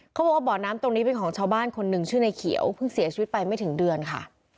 เขาบอกว่าบ่อน้ำตรงนี้เป็นของชาวบ้านคนหนึ่งชื่อในเขียวเพิ่งเสียชีวิตไปไม่ถึงเดือนค่ะ